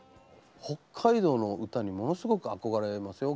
北海道の歌にものすごく憧れますよ